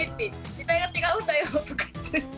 時代が違うんだよとか言って。